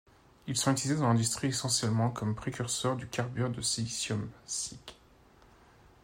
Ils sont utilisés dans l'industrie essentiellement comme précurseurs du carbure de silicium SiC.